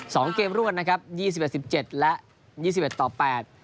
สองเกมรวดนะครับยี่สิบเอ็ดสิบเจ็ดและยี่สิบเอ็ดต่อแปด